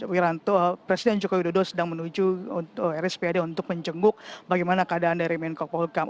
wiranto presiden jokowi dodo sedang menuju rspd untuk menjenguk bagaimana keadaan dari menko polkam